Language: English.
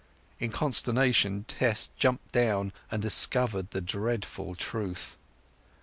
In consternation Tess jumped down, and discovered the dreadful truth.